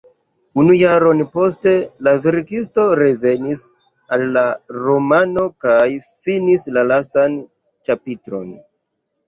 Unu jaron poste la verkisto revenis al la romano kaj finis la lastan ĉapitron.